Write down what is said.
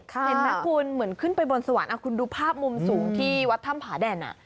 เห็นไหมคุณเหมือนขึ้นไปบนสวรรค์คุณดูภาพมุมสูงที่วัดถ้ำผาแด่น